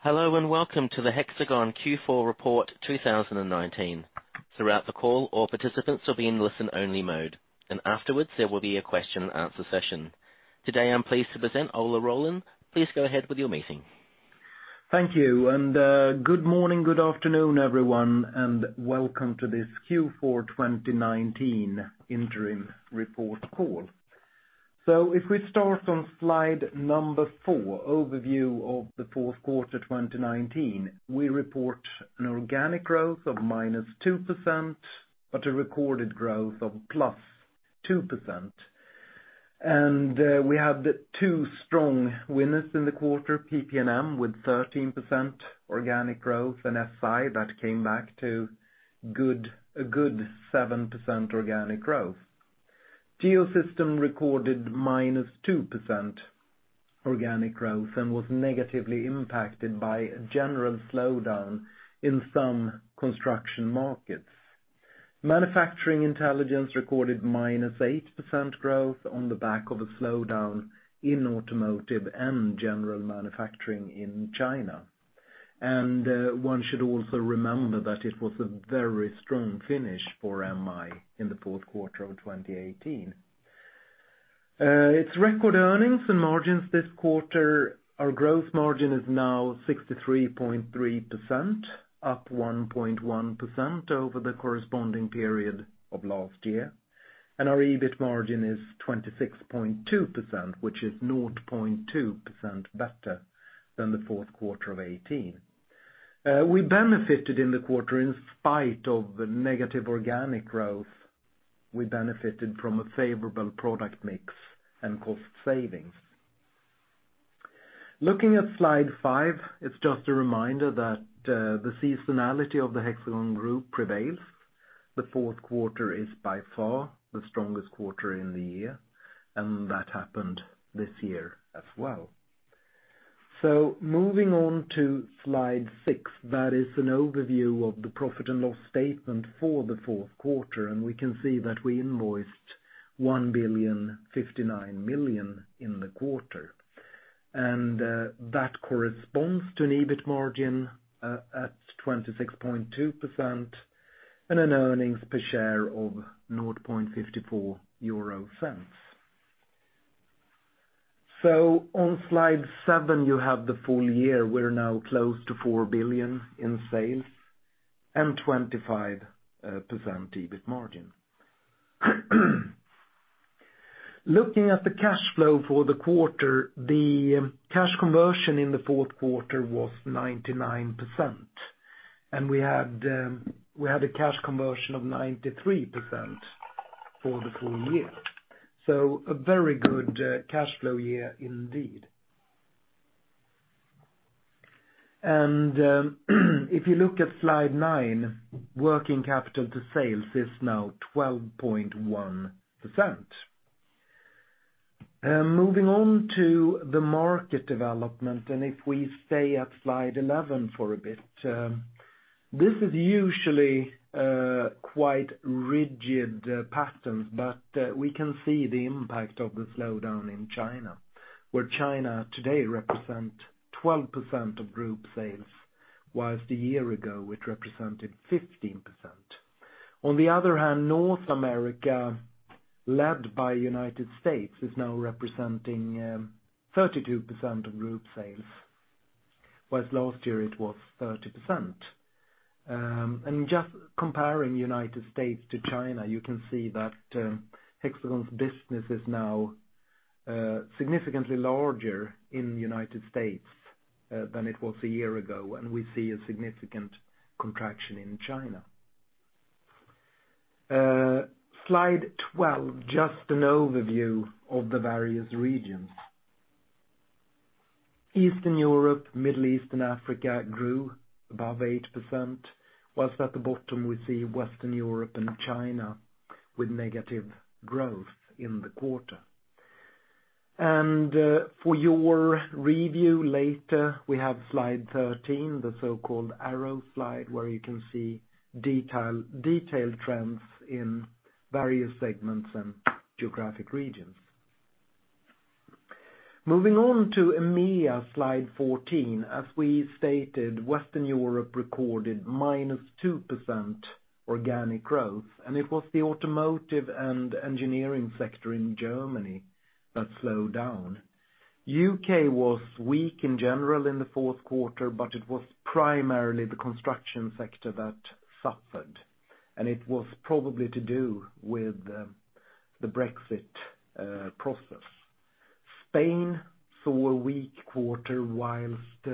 Hello, welcome to the Hexagon Q4 Report 2019. Throughout the call, all participants will be in listen-only mode, and afterwards there will be a question and answer session. Today, I'm pleased to present Ola Rollén. Please go ahead with your meeting. Thank you. Good morning, good afternoon, everyone, and welcome to this Q4 2019 interim report call. If we start on slide number four, overview of the fourth quarter 2019, we report an organic growth of -2%, but a recorded growth of +2%. We have two strong winners in the quarter, PP&M with 13% organic growth, and SI that came back to a good 7% organic growth. Geosystems recorded -2% organic growth and was negatively impacted by a general slowdown in some construction markets. Manufacturing Intelligence recorded -8% growth on the back of a slowdown in automotive and general manufacturing in China. One should also remember that it was a very strong finish for MI in the fourth quarter of 2018. Its record earnings and margins this quarter, our gross margin is now 63.3%, up 1.1% over the corresponding period of last year, and our EBIT margin is 26.2%, which is 0.2% better than the fourth quarter of 2018. We benefited in the quarter in spite of the negative organic growth. We benefited from a favorable product mix and cost savings. Looking at slide five, it's just a reminder that the seasonality of the Hexagon group prevails. The fourth quarter is by far the strongest quarter in the year, and that happened this year as well. Moving on to slide six, that is an overview of the profit and loss statement for the fourth quarter, and we can see that we invoiced 1,059 million in the quarter. That corresponds to an EBIT margin, at 26.2% and an earnings per share of 0.54. On slide seven, you have the full-year. We're now close to 4 billion in sales and 25% EBIT margin. Looking at the cash flow for the quarter, the cash conversion in the fourth quarter was 99%, and we had a cash conversion of 93% for the full-year. A very good cash flow year indeed. If you look at slide nine, working capital to sales is now 12.1%. Moving on to the market development, and if we stay at slide 11 for a bit, this is usually quite rigid patterns, but we can see the impact of the slowdown in China, where China today represent 12% of group sales, whilst a year ago, it represented 15%. On the other hand, North America, led by United States, is now representing 32% of group sales, whilst last year it was 30%. Just comparing U.S. to China, you can see that Hexagon's business is now significantly larger in the U.S. than it was a year ago, and we see a significant contraction in China. Slide 12, just an overview of the various regions. Eastern Europe, Middle East and Africa grew above 8%, whilst at the bottom we see Western Europe and China with negative growth in the quarter. For your review later, we have slide 13, the so-called arrow slide, where you can see detailed trends in various segments and geographic regions. Moving on to EMEA, slide 14. As we stated, Western Europe recorded -2% organic growth, and it was the automotive and engineering sector in Germany that slowed down. The U.K. was weak in general in the fourth quarter, but it was primarily the construction sector that suffered, and it was probably to do with the Brexit process. Spain saw a weak quarter whilst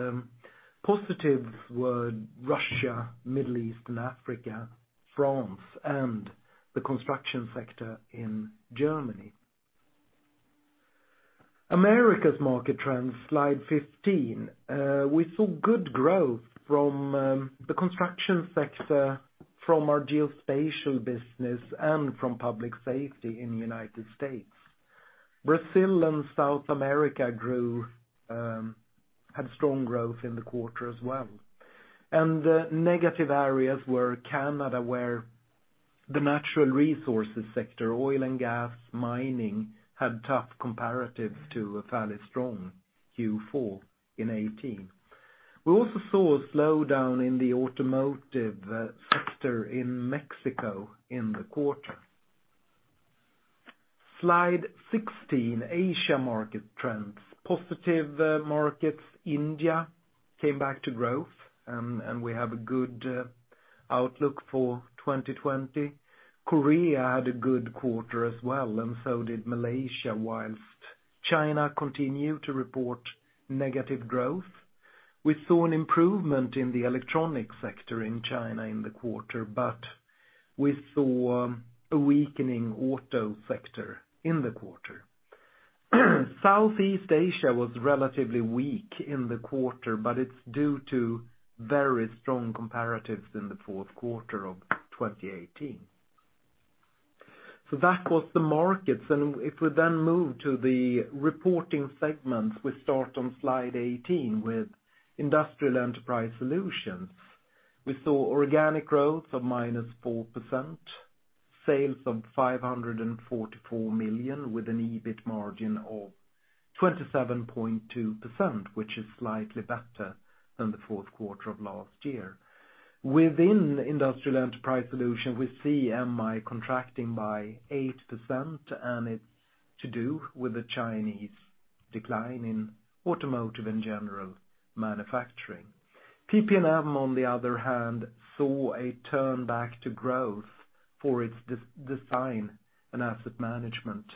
positives were Russia, Middle East and Africa, France, and the construction sector in Germany. America's market trends, slide 15. We saw good growth from the construction sector, from our geospatial business and from public safety in the U.S. Brazil and South America had strong growth in the quarter as well. The negative areas were Canada, where the natural resources sector, oil and gas, mining, had tough comparatives to a fairly strong Q4 in 2018. We also saw a slowdown in the automotive sector in Mexico in the quarter. Slide 16, Asia market trends. Positive markets, India came back to growth, we have a good outlook for 2020. Korea had a good quarter as well, and so did Malaysia, whilst China continued to report negative growth. We saw an improvement in the electronic sector in China in the quarter, but we saw a weakening auto sector in the quarter. Southeast Asia was relatively weak in the quarter, but it's due to very strong comparatives in the fourth quarter of 2018. That was the markets. If we then move to the reporting segments, we start on Slide 18 with Industrial Enterprise Solutions. We saw organic growth of minus 4%, sales of 544 million with an EBIT margin of 27.2%, which is slightly better than the fourth quarter of last year. Within Industrial Enterprise Solutions, we see MI contracting by 8%, and it's to do with the Chinese decline in automotive and general manufacturing. PP&M, on the other hand, saw a turn back to growth for its design and asset management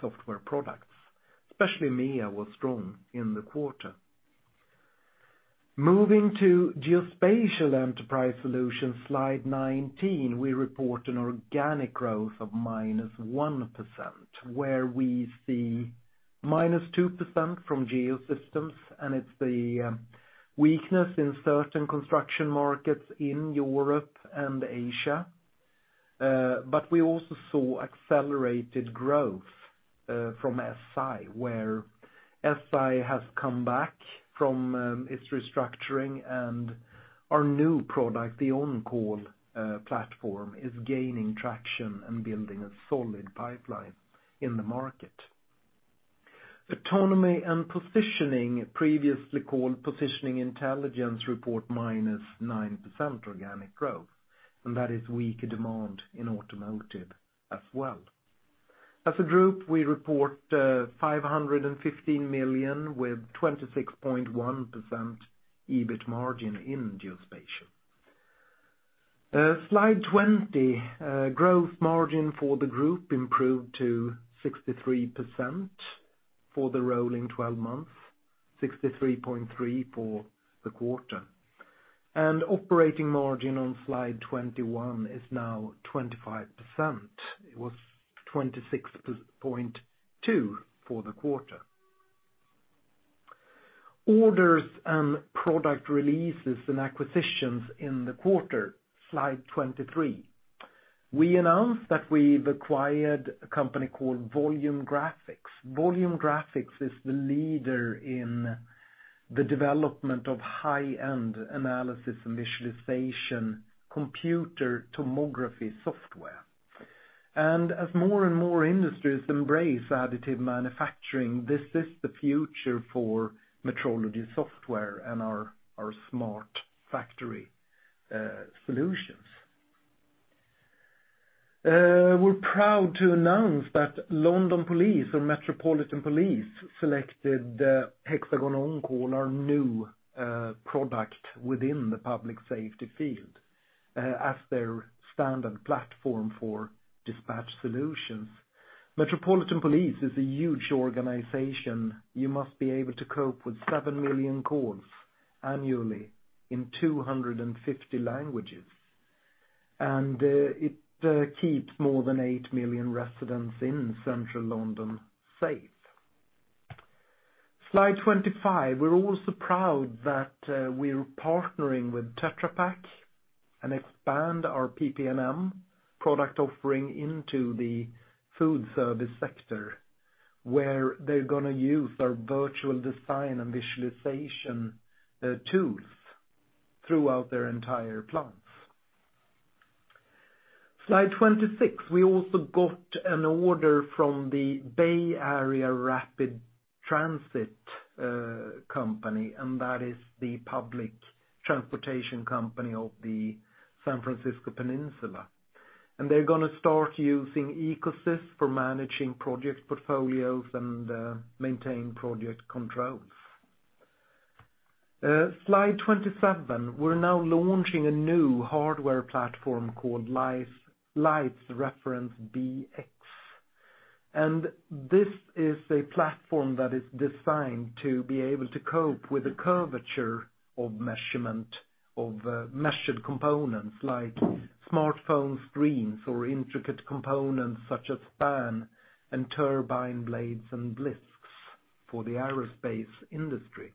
software products, especially MI was strong in the quarter. Moving to Geospatial Enterprise Solutions, slide 19, we report an organic growth of -1%, where we see -2% from Geosystems. It's the weakness in certain construction markets in Europe and Asia. We also saw accelerated growth from SI, where SI has come back from its restructuring and our new product, the OnCall platform, is gaining traction and building a solid pipeline in the market. Autonomy and Positioning, previously called Positioning Intelligence, report -9% organic growth. That is weaker demand in automotive as well. As a group, we report 515 million with 26.1% EBIT margin in Geospatial. Slide 20, growth margin for the group improved to 63% for the rolling 12 months, 63.3% for the quarter. Operating margin on slide 21 is now 25%. It was 26.2% for the quarter. Orders and product releases and acquisitions in the quarter, slide 23. We announced that we've acquired a company called Volume Graphics. Volume Graphics is the leader in the development of high-end analysis and visualization computer tomography software. As more and more industries embrace additive manufacturing, this is the future for metrology software and our smart factory solutions. We're proud to announce that Metropolitan Police selected HxGN OnCall, our new product within the public safety field, as their standard platform for dispatch solutions. Metropolitan Police is a huge organization. You must be able to cope with 7 million calls annually in 250 languages. It keeps more than 8 million residents in central London safe. slide 25. We're also proud that we're partnering with Tetra Pak and expand our PP&M product offering into the food service sector, where they're going to use our virtual design and visualization tools throughout their entire plants. Slide 26. We also got an order from the Bay Area Rapid Transit, that is the public transportation company of the San Francisco Peninsula. They're going to start using EcoSys for managing project portfolios and maintain project controls. Slide 27. We're now launching a new hardware platform called Leitz Reference BX. This is a platform that is designed to be able to cope with the curvature of measured components like smartphone screens or intricate components such as fan and turbine blades and blisks for the aerospace industry.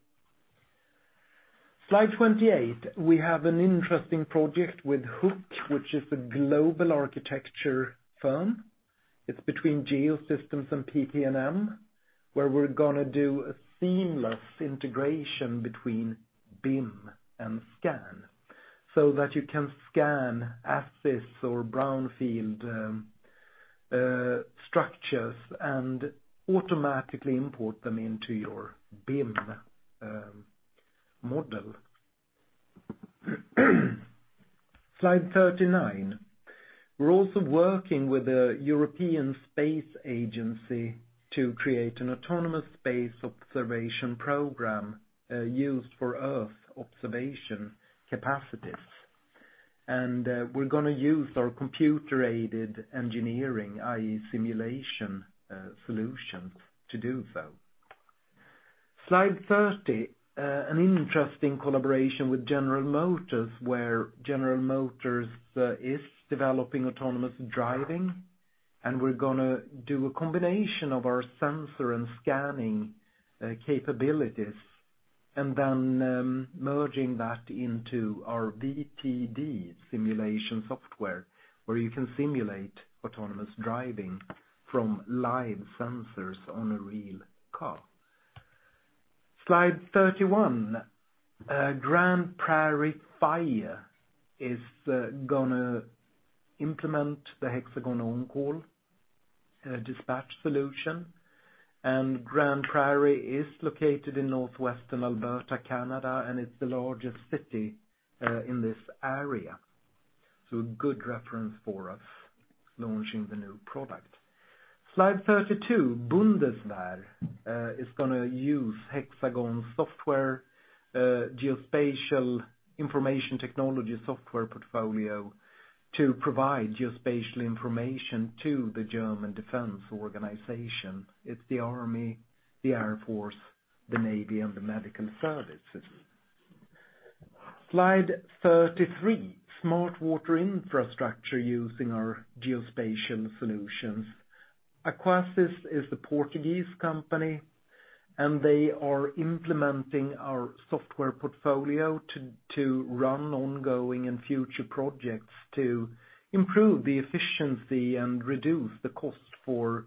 Slide 28. We have an interesting project with HOK, which is a global architecture firm. It's between Geosystems and PP&M, where we're going to do a seamless integration between BIM and scan, so that you can scan assets or brownfield structures and automatically import them into your BIM model. Slide 39. We're also working with the European Space Agency to create an autonomous space observation program used for Earth observation capacities. We're going to use our computer-aided engineering, i.e., simulation solutions to do so. Slide 30. An interesting collaboration with General Motors, where General Motors is developing autonomous driving, and we're going to do a combination of our sensor and scanning capabilities and then merging that into our VTD simulation software, where you can simulate autonomous driving from live sensors on a real car. Slide 31. Grande Prairie Fire is going to implement the HxGN OnCall dispatch solution. Grande Prairie is located in Northwestern Alberta, Canada. It's the largest city in this area. A good reference for us launching the new product. Slide 32. Bundeswehr is going to use Hexagon's software, geospatial information technology software portfolio to provide geospatial information to the German Defense Organization. It's the Army, the Air Force, the Navy, and the Medical Services. Slide 33. Smart water infrastructure using our geospatial solutions. AQUASIS is a Portuguese company. They are implementing our software portfolio to run ongoing and future projects to improve the efficiency and reduce the cost for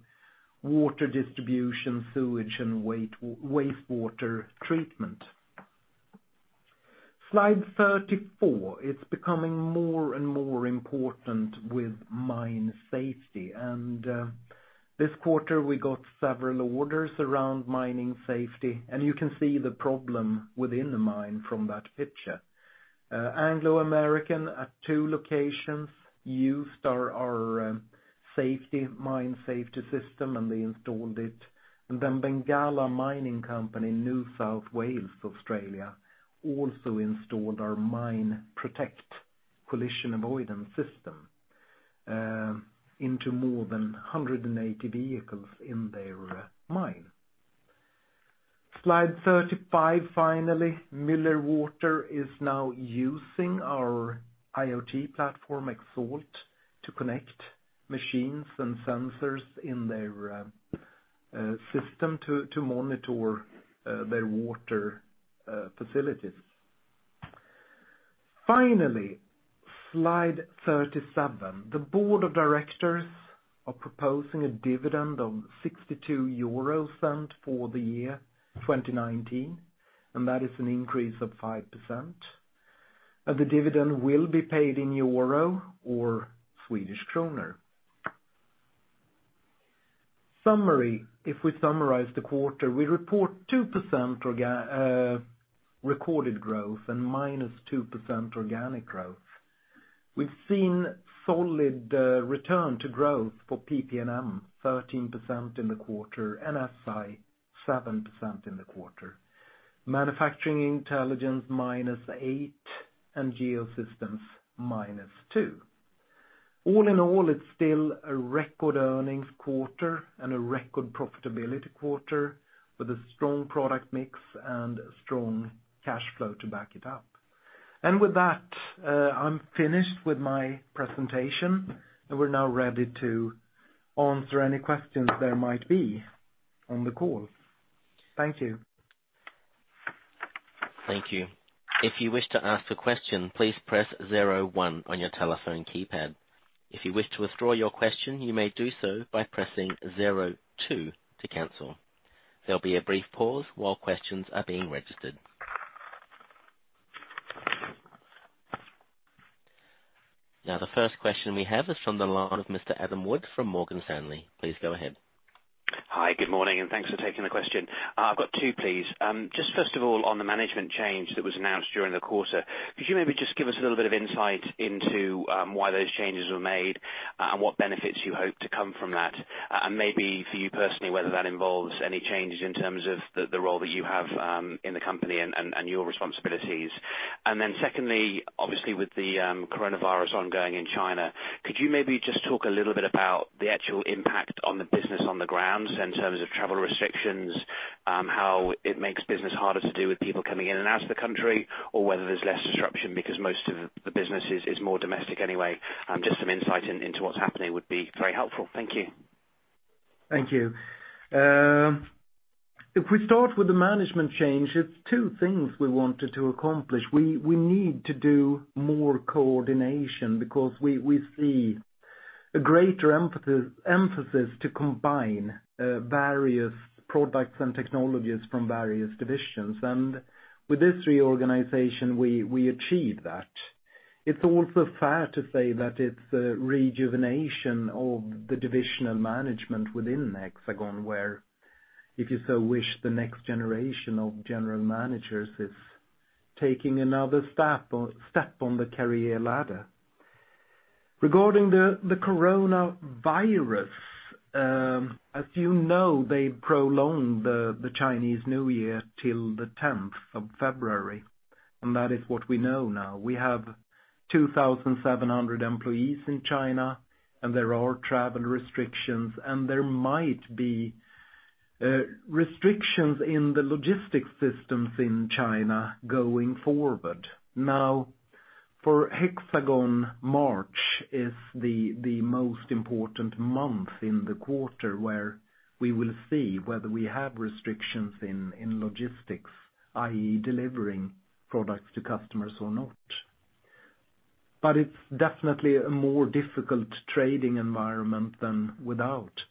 water distribution, sewage, and wastewater treatment. Slide 34. It's becoming more and more important with mine safety. This quarter, we got several orders around mining safety. You can see the problem within the mine from that picture. Anglo American at two locations used our HxGN MineProtect, they installed it. Bengalla Mining Company in New South Wales, Australia, also installed our HxGN MineProtect collision avoidance system into more than 180 vehicles in their mine. Slide 35, finally. Mueller Water Products is now using our IoT platform, Xalt, to connect machines and sensors in their system to monitor their water facilities. Finally, slide 37. The board of directors are proposing a dividend of 0.62 for the year 2019, that is an increase of 5%. The dividend will be paid in EUR or SEK. Summary. If we summarize the quarter, we report 2% recorded growth and -2% organic growth. We've seen solid return to growth for PP&M, 13% in the quarter, SI, 7% in the quarter. Manufacturing Intelligence, -8%, Geosystems, -2%. All in all, it's still a record earnings quarter and a record profitability quarter with a strong product mix and strong cash flow to back it up. With that, I'm finished with my presentation. We're now ready to answer any questions there might be on the call. Thank you. Thank you. If you wish to ask a question, please press zero one on your telephone keypad. If you wish to withdraw your question, you may do so by pressing zero two to cancel. There will be a brief pause while questions are being registered. The first question we have is from the line of Mr. Adam Wood from Morgan Stanley. Please go ahead. Hi, good morning, thanks for taking the question. I've got two, please. Just first of all, on the management change that was announced during the quarter, could you maybe just give us a little bit of insight into why those changes were made and what benefits you hope to come from that? Maybe for you personally, whether that involves any changes in terms of the role that you have in the company and your responsibilities. Secondly, obviously with the coronavirus ongoing in China, could you maybe just talk a little bit about the actual impact on the business on the grounds in terms of travel restrictions, how it makes business harder to do with people coming in and out of the country, or whether there's less disruption because most of the business is more domestic anyway. Just some insight into what's happening would be very helpful. Thank you. Thank you. We start with the management change, it's two things we wanted to accomplish. We need to do more coordination because we see a greater emphasis to combine various products and technologies from various divisions. With this reorganization, we achieve that. It's also fair to say that it's a rejuvenation of the divisional management within Hexagon, where, if you so wish, the next generation of general managers is taking another step on the career ladder. Regarding the coronavirus, as you know, they prolonged the Chinese New Year till the 10th of February, and that is what we know now. We have 2,700 employees in China and there are travel restrictions, and there might be restrictions in the logistics systems in China going forward. For Hexagon, March is the most important month in the quarter where we will see whether we have restrictions in logistics, i.e., delivering products to customers or not. It's definitely a more difficult trading environment than without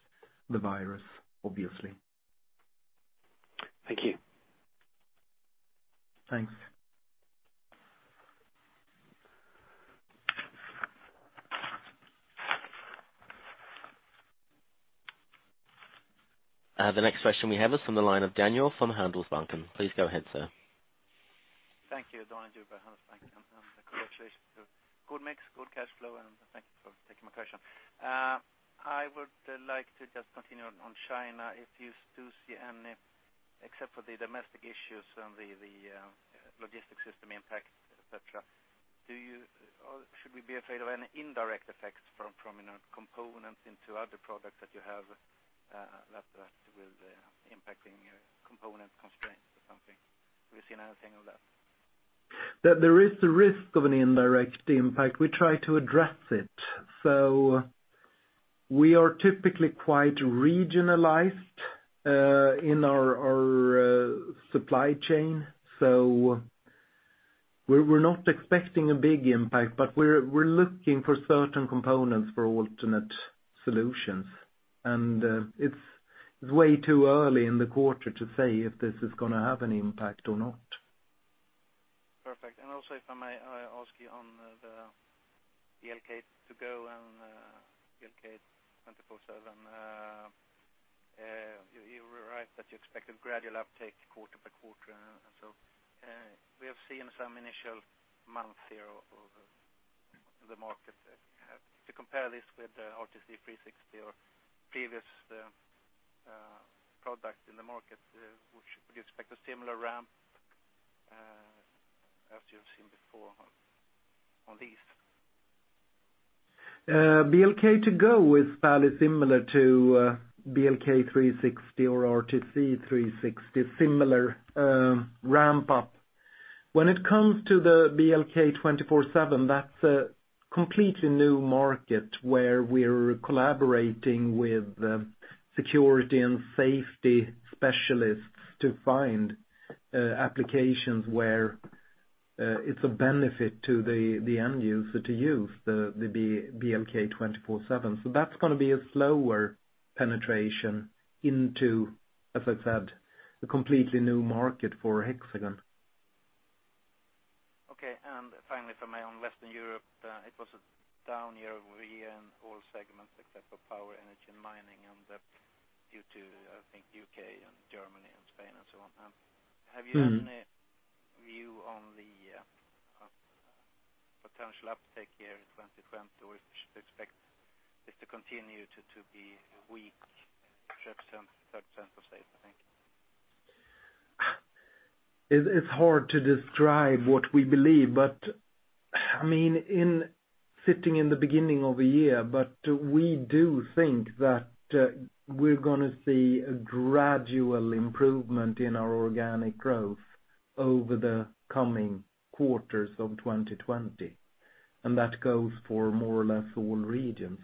the virus, obviously. Thank you. Thanks. The next question we have is from the line of Daniel from Handelsbanken. Please go ahead, sir. Thank you, congratulations. Good mix, good cash flow, and thank you for taking my question. I would like to just continue on China, if you do see any, except for the domestic issues and the logistic system impact, et cetera, should we be afraid of any indirect effects from components into other products that you have that will be impacting your component constraints or something? Have you seen anything of that? There is a risk of an indirect impact. We try to address it. We are typically quite regionalized in our supply chain. We're not expecting a big impact, but we're looking for certain components for alternate solutions. It's way too early in the quarter to say if this is going to have an impact or not. Perfect. Also, if I may ask you on the BLK2GO and BLK247, you were right that you expect a gradual uptake quarter by quarter. We have seen some initial months here of the market. To compare this with the RTC360 or previous products in the market, would you expect a similar ramp as you've seen before on these? BLK2GO is fairly similar to BLK360 or RTC360. Similar ramp up. When it comes to the BLK247, that's a completely new market where we're collaborating with security and safety specialists to find applications where it's of benefit to the end user to use the BLK247. That's going to be a slower penetration into, as I said, a completely new market for Hexagon. Okay. Finally from me on Western Europe, it was a down year-over-year in all segments except for power, energy, and mining. That's due to, I think, U.K. and Germany and Spain and so on. Have you any view on the potential uptake here in 2020, or we should expect it to continue to be weak, for example, safe to say, I think? It's hard to describe what we believe. Sitting in the beginning of a year, but we do think that we're going to see a gradual improvement in our organic growth over the coming quarters of 2020. That goes for more or less all regions.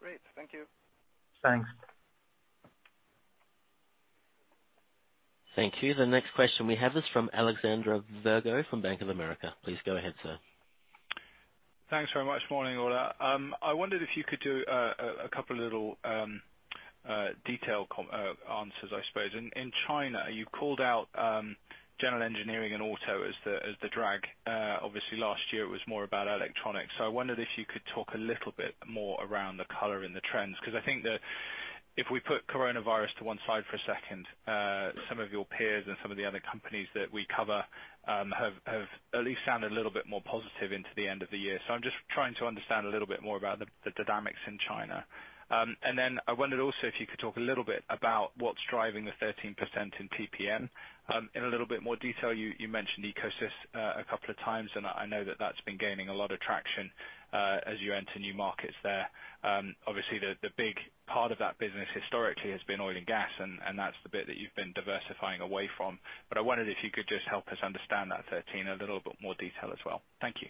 Great. Thank you. Thanks. Thank you. The next question we have is from Alexander Virgo from Bank of America. Please go ahead, sir. Thanks very much. Morning, all. I wondered if you could do a couple little detail answers, I suppose. In China, you called out general engineering and auto as the drag. Obviously last year it was more about electronics. I wondered if you could talk a little bit more around the color and the trends, because I think that if we put coronavirus to one side for a second, some of your peers and some of the other companies that we cover have at least sounded a little bit more positive into the end of the year. I'm just trying to understand a little bit more about the dynamics in China. I wondered also if you could talk a little bit about what's driving the 13% in PP&M in a little bit more detail. You mentioned EcoSys a couple of times, and I know that that's been gaining a lot of traction as you enter new markets there. Obviously, the big part of that business historically has been oil and gas, and that's the bit that you've been diversifying away from. I wondered if you could just help us understand that 13 a little bit more detail as well. Thank you.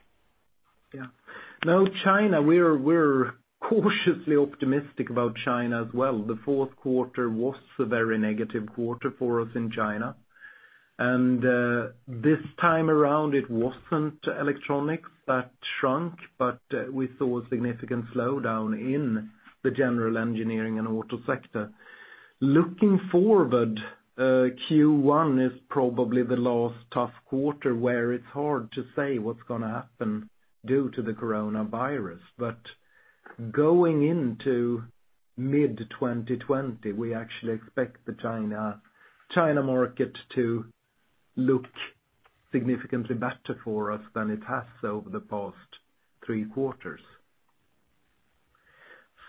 China, we're cautiously optimistic about China as well. The fourth quarter was a very negative quarter for us in China. This time around, it wasn't electronics that shrunk, but we saw a significant slowdown in the general engineering and auto sector. Looking forward, Q1 is probably the last tough quarter where it's hard to say what's going to happen due to the coronavirus. Going into mid-2020, we actually expect the China market to look significantly better for us than it has over the past three quarters.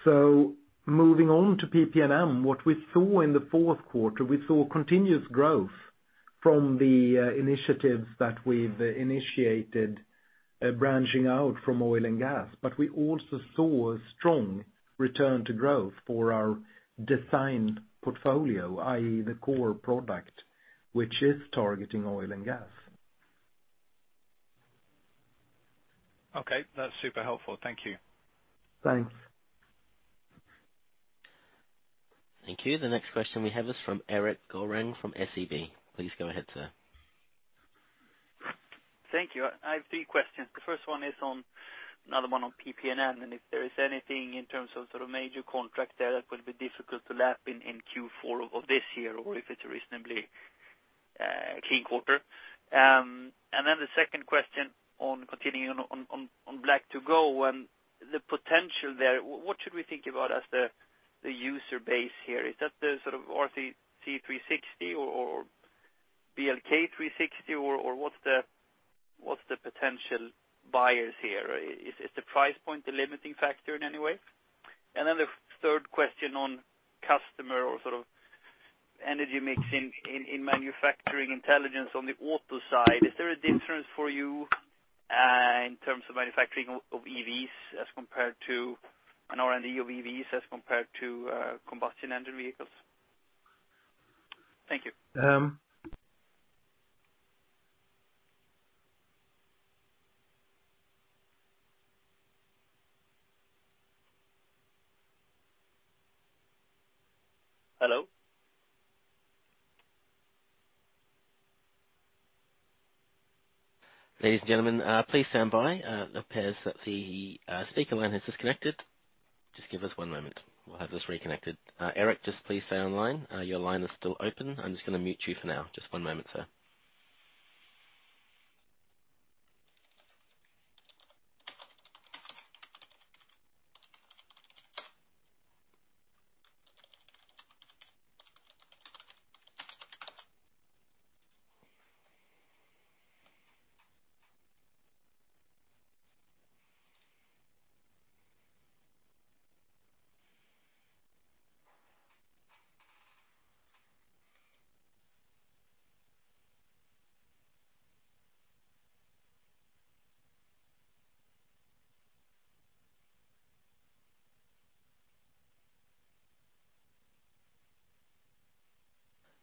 Moving on to PP&M, what we saw in the fourth quarter, we saw continuous growth from the initiatives that we've initiated, branching out from oil and gas. We also saw a strong return to growth for our design portfolio, i.e. the core product, which is targeting oil and gas. Okay. That's super helpful. Thank you. Thanks. Thank you. The next question we have is from Erik Golrang from SEB. Please go ahead, sir. Thank you. I have three questions. The first one is on another one on PP&M, and if there is anything in terms of sort of major contract there that could be difficult to lap in Q4 of this year, or if it's a reasonably clean quarter. The second question on continuing on BLK2GO and the potential there, what should we think about as the user base here? Is that the sort of RTC360 or BLK360, or what's the potential buyers here? Is the price point a limiting factor in any way? The third question on customer or sort of energy mix in Manufacturing Intelligence on the auto side, is there a difference for you in terms of manufacturing of EVs as compared to an R&D of EVs as compared to combustion engine vehicles? Thank you. Hello? Ladies and gentlemen, please stand by. It appears that the speaker line has disconnected. Just give us one moment. We'll have this reconnected. Erik, just please stay on line. Your line is still open. I'm just going to mute you for now. Just one moment, sir.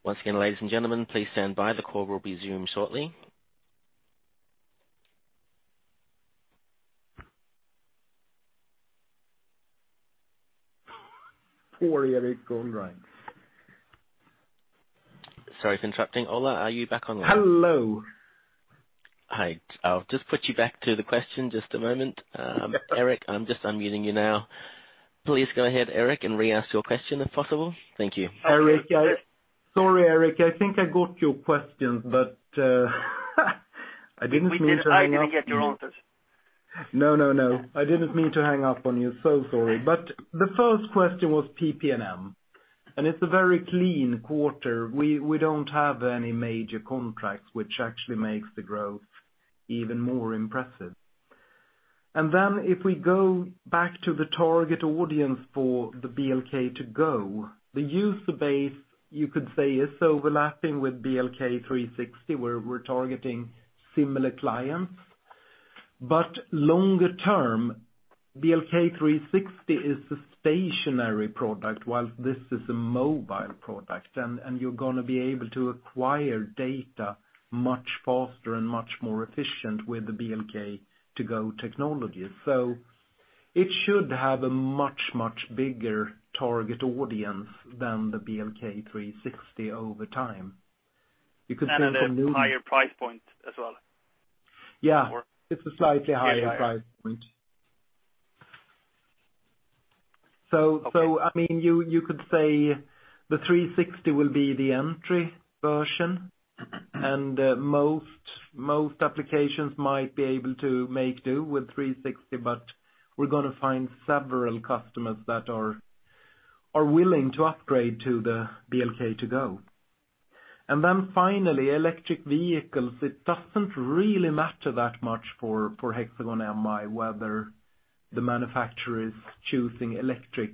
Once again, ladies and gentlemen, please stand by. The call will resume shortly. Sorry, Erik Golrang. Sorry for interrupting. Ola, are you back online? Hello. Hi. I'll just put you back to the question. Just a moment. Erik, I'm just unmuting you now. Please go ahead, Erik, and re-ask your question, if possible. Thank you. Sorry, Erik. I think I got your questions, but I didn't mean to hang up on you. I didn't get your answers. No, no. I didn't mean to hang up on you. So sorry. The first question was PP&M, and it's a very clean quarter. We don't have any major contracts, which actually makes the growth even more impressive. If we go back to the target audience for the BLK2GO, the user base, you could say, is overlapping with BLK360, where we're targeting similar clients. Longer term, BLK360 is a stationary product, while this is a mobile product, and you're going to be able to acquire data much faster and much more efficient with the BLK2GO technology. It should have a much, much bigger target audience than the BLK360 over time. Because people can move. At a higher price point as well? Yeah. It's a slightly higher price point. Okay. You could say the 360 will be the entry version, and most applications might be able to make do with 360, but we're going to find several customers that are willing to upgrade to the BLK2GO. Finally, electric vehicles, it doesn't really matter that much for Hexagon MI whether the manufacturer is choosing electric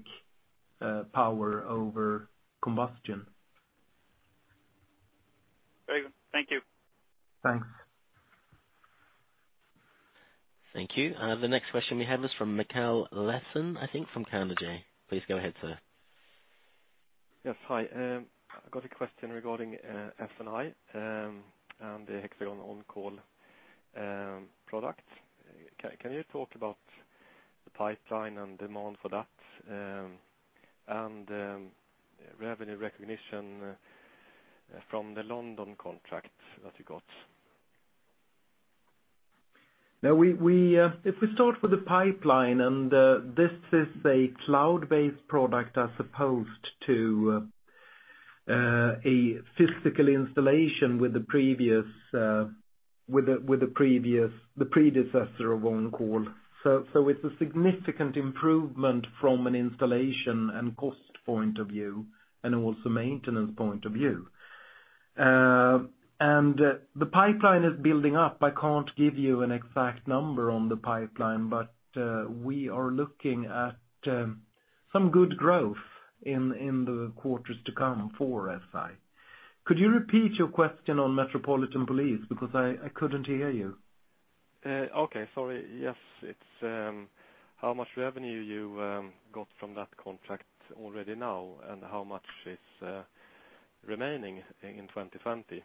power over combustion. Very good. Thank you. Thanks. Thank you. The next question we have is from Mikael Laséen, I think from Carnegie. Please go ahead, sir. Yes. Hi. I got a question regarding SI, and the HxGN OnCall product. Can you talk about the pipeline and demand for that, and revenue recognition from the London contract that you got? If we start with the pipeline, and this is a cloud-based product as opposed to a physical installation with the predecessor of OnCall. It's a significant improvement from an installation and cost point of view, and also maintenance point of view. The pipeline is building up. I can't give you an exact number on the pipeline, but we are looking at some good growth in the quarters to come for SI. Could you repeat your question on Metropolitan Police? Because I couldn't hear you. Okay. Sorry. Yes. It's how much revenue you got from that contract already now, and how much is remaining in 2020?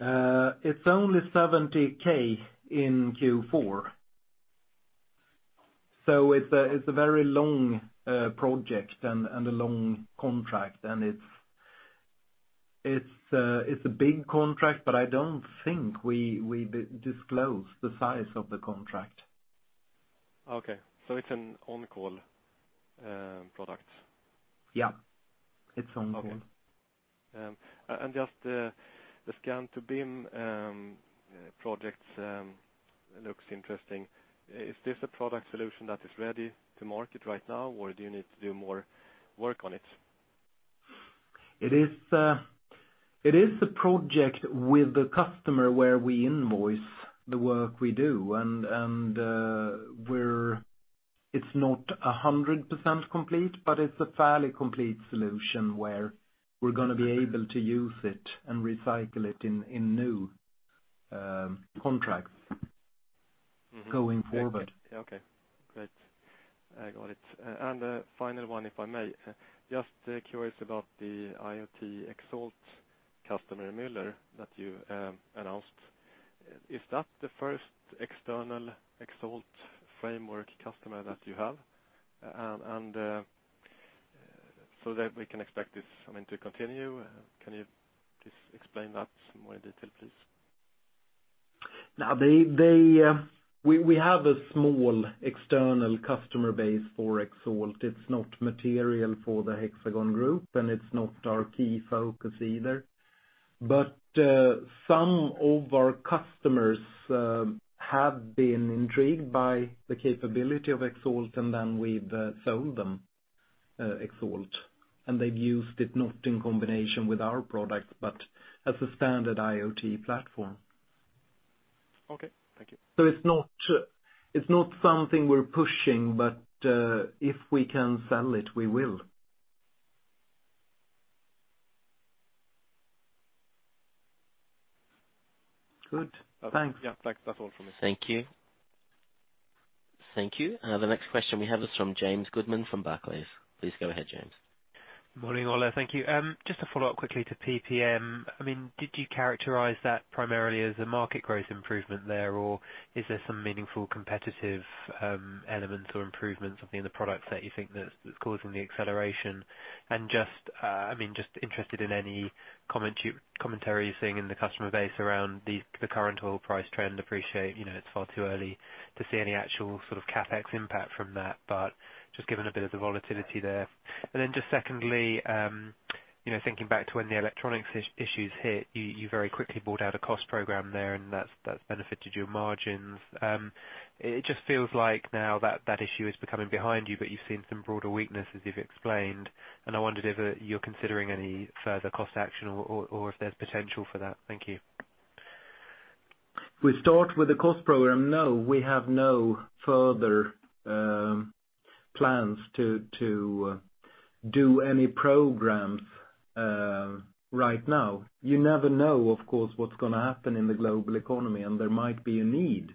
It's only 70K in Q4. It's a very long project and a long contract, and it's a big contract, but I don't think we disclosed the size of the contract. Okay. It's an OnCall product? Yeah. It's OnCall. Okay. Just the Scan-to-BIM projects looks interesting. Is this a product solution that is ready to market right now, or do you need to do more work on it? It is a project with the customer where we invoice the work we do, and it's not 100% complete, but it's a fairly complete solution where we're going to be able to use it and recycle it in new contracts going forward. Okay, great. I got it. A final one, if I may. Just curious about the IoT Xalt customer, Mueller, that you announced. Is that the first external Xalt framework customer that you have? That we can expect this to continue, can you just explain that some more in detail, please? We have a small external customer base for Xalt. It's not material for the Hexagon Group, and it's not our key focus either. Some of our customers have been intrigued by the capability of Xalt, and then we've sold them Xalt, and they've used it not in combination with our product, but as a standard IoT platform. Okay. Thank you. It's not something we're pushing, but if we can sell it, we will. Good. Thanks. Yeah, thanks. That's all from me. Thank you. Thank you. The next question we have is from James Goodman, from Barclays. Please go ahead, James. Morning, Ola. Thank you. Just to follow up quickly to PP&M. Did you characterize that primarily as a market growth improvement there, or is there some meaningful competitive elements or improvements of the products that you think that's causing the acceleration? Just interested in any commentary you're seeing in the customer base around the current oil price trend. Appreciate it's far too early to see any actual CAPEX impact from that, but just given a bit of the volatility there. Just secondly, thinking back to when the electronics issues hit you very quickly brought out a cost program there, and that's benefited your margins. It just feels like now that issue is becoming behind you, but you've seen some broader weaknesses you've explained, and I wondered if you're considering any further cost action or if there's potential for that. Thank you. We start with the cost program. No, we have no further plans to do any programs right now. You never know, of course, what's going to happen in the global economy, and there might be a need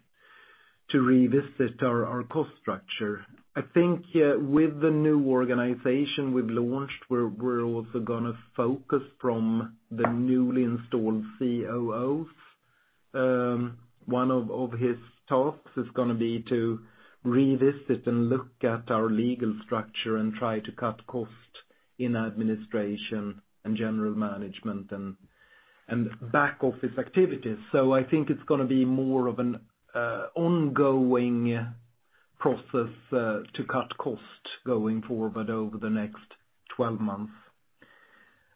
to revisit our cost structure. I think with the new organization we've launched, we're also going to focus from the newly installed COO. One of his tasks is going to be to revisit and look at our legal structure and try to cut cost in administration and general management and back office activities. I think it's going to be more of an ongoing process to cut cost going forward over the next 12 months.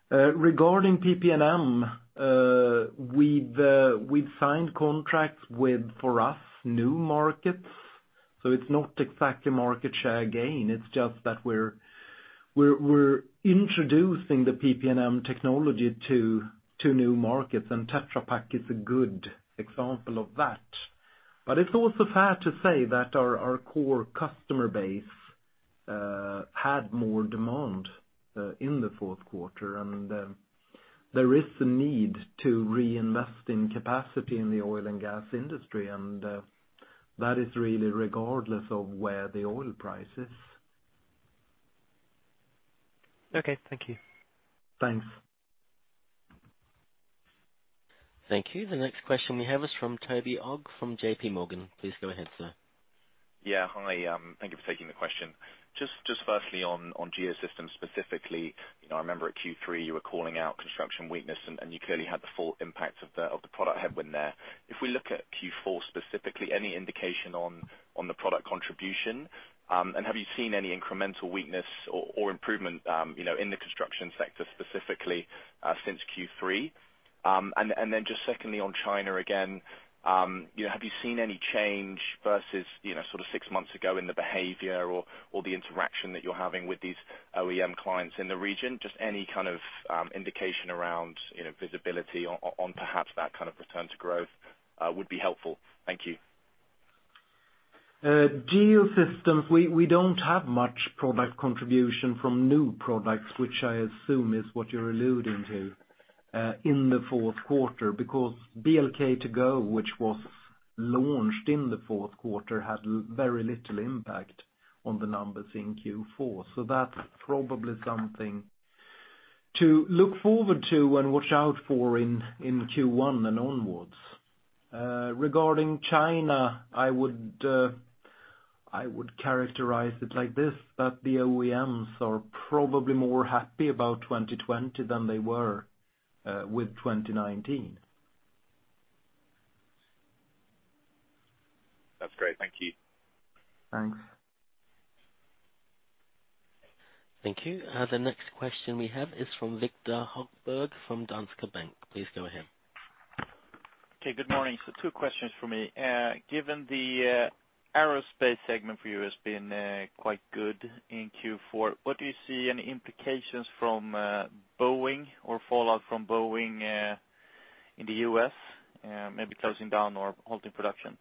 Regarding PP&M, we've signed contracts with, for us, new markets. It's not exactly market share gain, it's just that we're introducing the PP&M technology to new markets, and Tetra Pak is a good example of that. It's also fair to say that our core customer base had more demand in the fourth quarter. There is a need to reinvest in capacity in the oil and gas industry, and that is really regardless of where the oil price is. Okay. Thank you. Thanks. Thank you. The next question we have is from Toby Ogg from JPMorgan. Please go ahead, sir. Yeah. Hi, thank you for taking the question. Just firstly on Geosystems specifically, I remember at Q3 you were calling out construction weakness, and you clearly had the full impact of the product headwind there. If we look at Q4 specifically, any indication on the product contribution? Have you seen any incremental weakness or improvement in the construction sector specifically since Q3? Just secondly on China again, have you seen any change versus sort of six months ago in the behavior or the interaction that you're having with these OEM clients in the region? Just any kind of indication around visibility on perhaps that kind of return to growth would be helpful. Thank you. Geosystems, we don't have much product contribution from new products, which I assume is what you're alluding to, in the fourth quarter, because BLK2GO, which was launched in the fourth quarter, had very little impact on the numbers in Q4. That's probably something to look forward to and watch out for in Q1 and onwards. Regarding China, I would characterize it like this, that the OEMs are probably more happy about 2020 than they were with 2019. That's great. Thank you. Thanks. Thank you. The next question we have is from Viktor Högberg from Danske Bank. Please go ahead. Okay, good morning. Two questions from me. Given the aerospace segment for you has been quite good in Q4, what do you see any implications from Boeing or fallout from Boeing in the U.S. maybe closing down or halting production?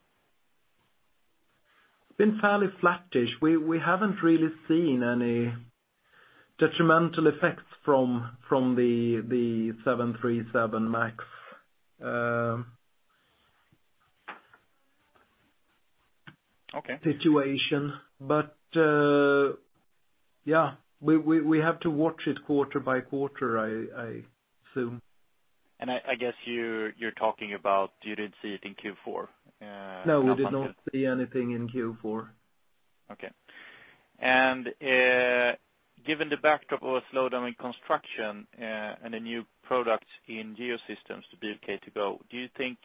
It's been fairly flattish. We haven't really seen any detrimental effects from the 737 MAX. Okay situation. Yeah, we have to watch it quarter by quarter, I assume. I guess you're talking about you didn't see it in Q4. No, we did not see anything in Q4. Okay. Given the backdrop of a slowdown in construction and a new product in Geosystems, the BLK2GO, do you think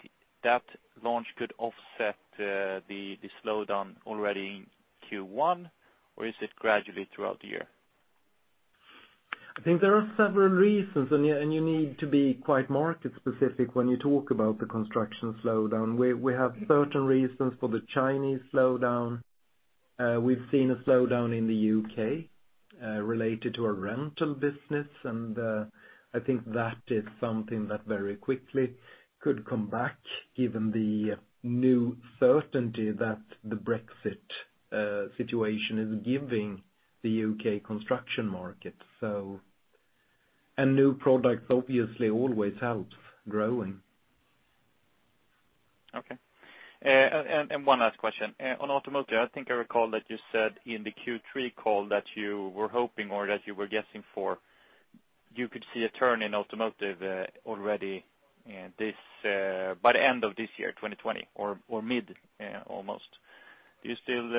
that launch could offset the slowdown already in Q1, or is it gradually throughout the year? I think there are several reasons, and you need to be quite market specific when you talk about the construction slowdown. We have certain reasons for the Chinese slowdown. We've seen a slowdown in the U.K. related to our rental business, and I think that is something that very quickly could come back given the new certainty that the Brexit situation is giving the U.K. construction market. A new product obviously always helps growing. Okay. One last question. On automotive, I think I recall that you said in the Q3 call that you were hoping or that you were guessing for, you could see a turn in automotive already by the end of this year, 2020, or mid almost. Do you still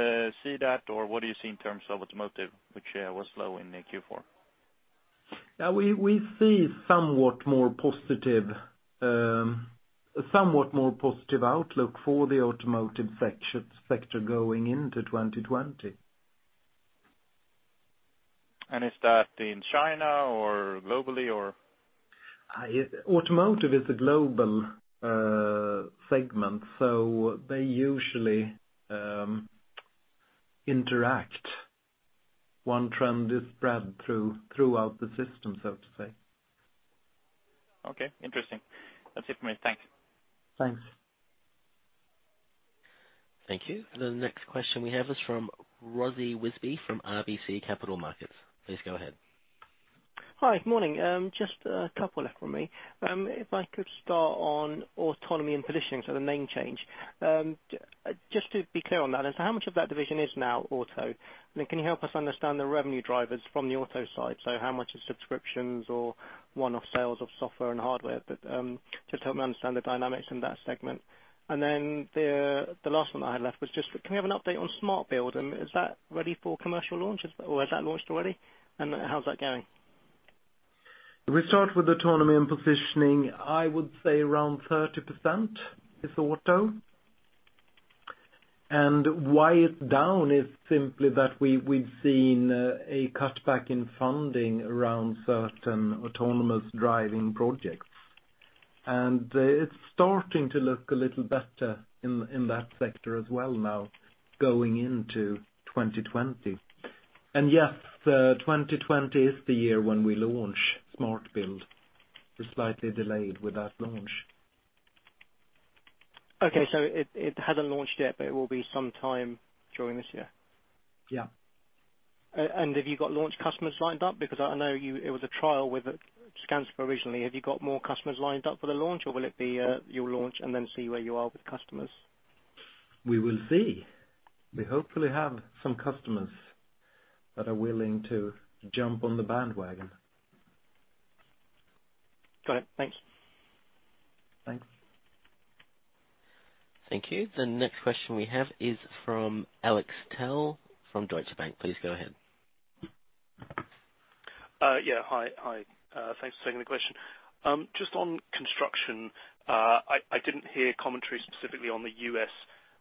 see that, or what do you see in terms of automotive, which was low in Q4? Yeah, we see somewhat more positive outlook for the automotive sector going into 2020. Is that in China or globally or? Automotive is a global segment, so they usually interact. One trend is spread throughout the system, so to say. Okay. Interesting. That's it for me. Thanks. Thanks. Thank you. The next question we have is from Wasi Rizvi from RBC Capital Markets. Please go ahead. Hi. Morning. Just a couple left from me. If I could start on Autonomy & Positioning, the main change. Just to be clear on that, how much of that division is now auto? Can you help us understand the revenue drivers from the auto side? How much is subscriptions or one-off sales of software and hardware? Just help me understand the dynamics in that segment. The last one that I had left was just, can we have an update on HxGN SMART Build, and is that ready for commercial launch or has that launched already? How's that going? We start with Autonomy & Positioning. I would say around 30% is auto. Why it's down is simply that we've seen a cutback in funding around certain autonomous driving projects. It's starting to look a little better in that sector as well now going into 2020. Yes, 2020 is the year when we launch HxGN SMART Build. We're slightly delayed with that launch. Okay. It hasn't launched yet, but it will be some time during this year? Yeah. Have you got launch customers lined up? I know it was a trial with Skanska originally. Have you got more customers lined up for the launch, or will it be you'll launch and then see where you are with customers? We will see. We hopefully have some customers that are willing to jump on the bandwagon. Got it. Thanks. Thanks. Thank you. The next question we have is from Alex Tout from Deutsche Bank. Please go ahead. Yeah. Hi. Thanks for taking the question. Just on construction, I didn't hear commentary specifically on the U.S.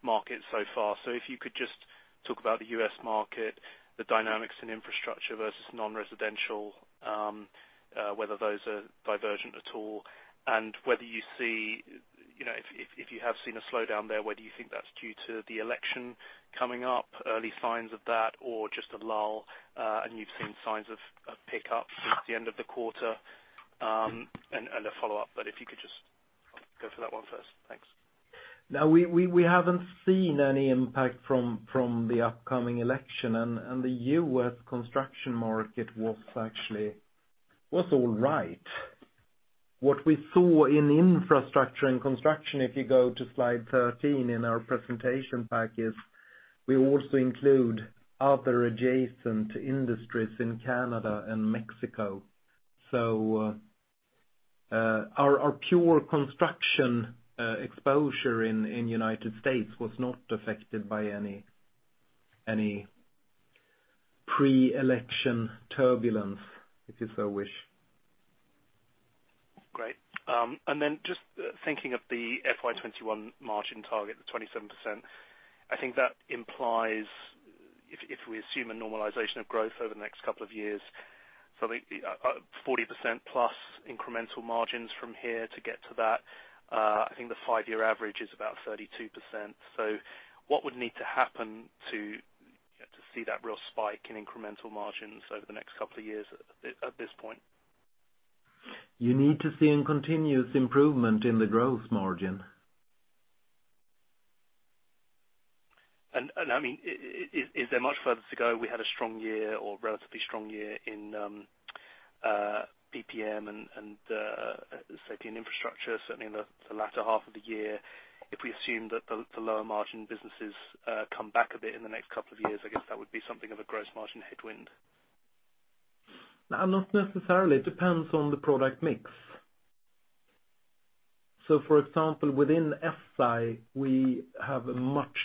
market so far. If you could just talk about the U.S. market, the dynamics in infrastructure versus non-residential, whether those are divergent at all, and if you have seen a slowdown there, whether you think that's due to the election coming up, early signs of that, or just a lull, and you've seen signs of a pickup since the end of the quarter, and a follow-up. If you could just go for that one first. Thanks. No, we haven't seen any impact from the upcoming election. The U.S. construction market was all right. What we saw in infrastructure and construction, if you go to slide 13 in our presentation package, we also include other adjacent industries in Canada and Mexico. Our pure construction exposure in the U.S. was not affected by any pre-election turbulence, if you so wish. Great. Then just thinking of the FY 2021 margin target, the 27%, I think that implies, if we assume a normalization of growth over the next couple of years, 40% plus incremental margins from here to get to that. I think the five-year average is about 32%. What would need to happen to see that real spike in incremental margins over the next couple of years at this point? You need to see a continuous improvement in the growth margin. Is there much further to go? We had a strong year or relatively strong year in PP&M and safety and infrastructure, certainly in the latter half of the year. If we assume that the lower-margin businesses come back a bit in the next couple of years, I guess that would be something of a gross margin headwind. No, not necessarily. It depends on the product mix. For example, within SI, we have a much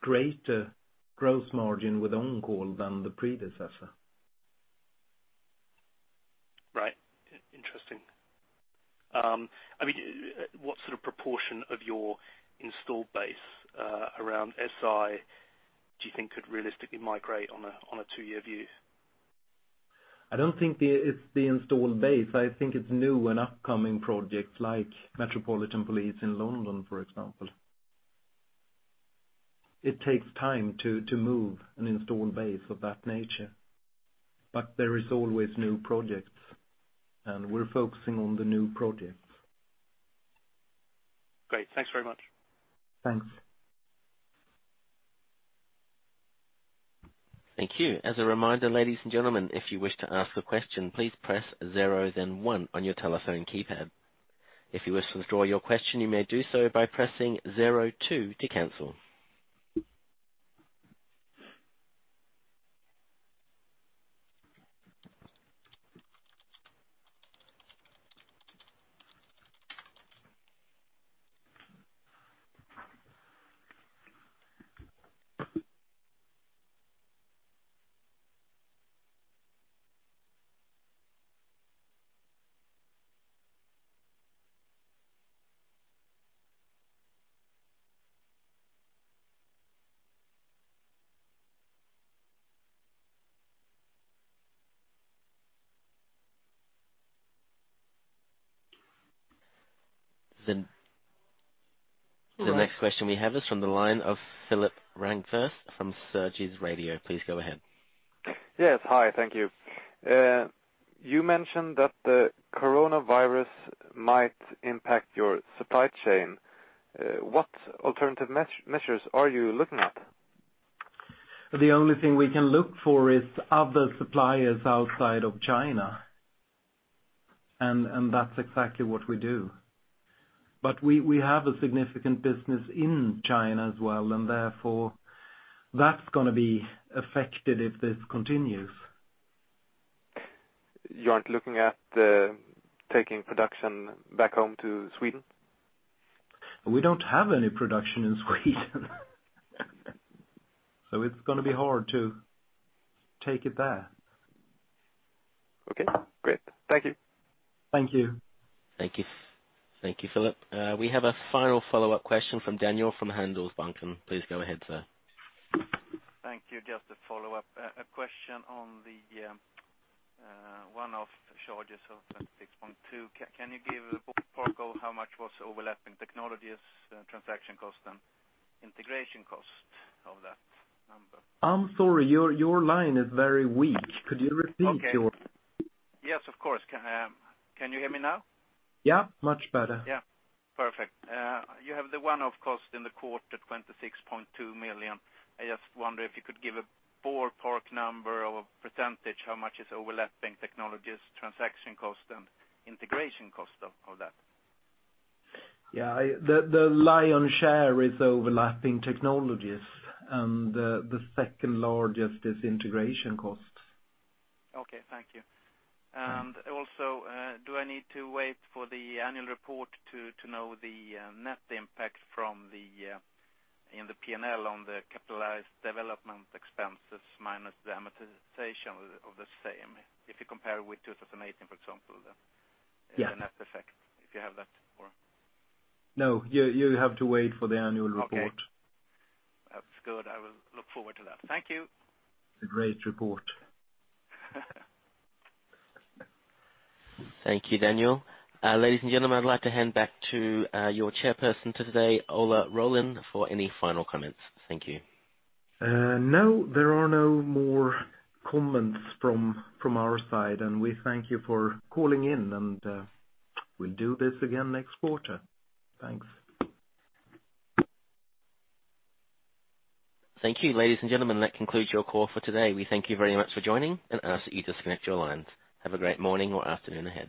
greater gross margin with OnCall than the predecessor. Right. Interesting. What sort of proportion of your installed base around SI do you think could realistically migrate on a two year view? I don't think it's the installed base. I think it's new and upcoming projects like Metropolitan Police in London, for example. It takes time to move an installed base of that nature. There is always new projects, and we're focusing on the new projects. Great. Thanks very much. Thanks. Thank you. As a reminder, ladies and gentlemen, if you wish to ask a question, please press zero then one on your telephone keypad. If you wish to withdraw your question, you may do so by pressing zero two to cancel. The next question we have is from the line of Philip Ramqvist from Sveriges Radio. Please go ahead. Yes. Hi, thank you. You mentioned that the coronavirus might impact your supply chain. What alternative measures are you looking at? The only thing we can look for is other suppliers outside of China. That's exactly what we do. We have a significant business in China as well, and therefore, that's going to be affected if this continues. You aren't looking at taking production back home to Sweden? We don't have any production in Sweden. It's going to be hard to take it there. Okay, great. Thank you. Thank you. Thank you, Philip. We have a final follow-up question from Daniel, from Handelsbanken. Please go ahead, sir. Thank you. Just a follow-up. A question on the one-off charges of 26.2 million. Can you give a portal how much was overlapping technologies, transaction costs, and integration costs of that number? I'm sorry, your line is very weak. Okay. Yes, of course. Can you hear me now? Yeah, much better. Yeah. Perfect. You have the one-off cost in the quarter, 26.2 million. I just wonder if you could give a ballpark number or percentage, how much is overlapping technologies, transaction cost, and integration cost of that? Yeah. The lion's share is overlapping technologies, and the second largest is integration cost. Okay. Thank you. Also, do I need to wait for the annual report to know the net impact from in the P&L on the capitalized development expenses minus the amortization of the same? If you compare with 2018, for example. Yeah the net effect, if you have that for. No, you have to wait for the annual report. Okay. That's good. I will look forward to that. Thank you. It's a great report. Thank you, Daniel. Ladies and gentlemen, I'd like to hand back to your chairperson today, Ola Rollén, for any final comments. Thank you. No, there are no more comments from our side. We thank you for calling in, and we'll do this again next quarter. Thanks. Thank you. Ladies and gentlemen, that concludes your call for today. We thank you very much for joining and ask that you disconnect your lines. Have a great morning or afternoon ahead.